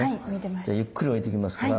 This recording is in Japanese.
ではゆっくり置いていきますから。